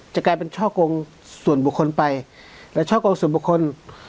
จะกลายเป็นช่อกงส่วนบุคคลไปและช่อกงส่วนบุคคล